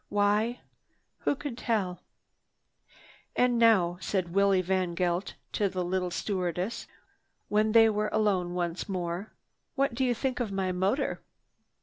Why? Who could tell? "And now," said Willie VanGeldt to the little stewardess when they were alone once more, "what do you think of my motor?"